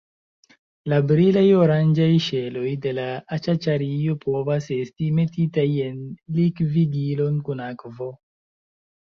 La brilaj oranĝaj ŝeloj de la aĉaĉario povas esti metitaj en likvigilon kun akvo.